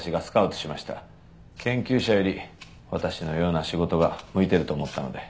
研究者より私のような仕事が向いてると思ったので。